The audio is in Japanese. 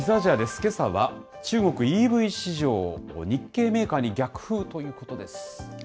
けさは中国ＥＶ市場、日系企業に逆風ということです。